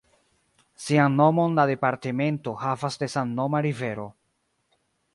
Sian nomon la departemento havas de samnoma rivero.